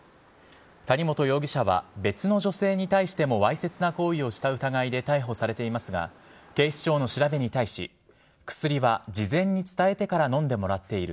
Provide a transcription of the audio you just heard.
谷本容疑者は、別の女性に対してもわいせつな行為をした疑いで逮捕されていますが、警視庁の調べに対し、薬は事前に伝えてから飲んでもらっている。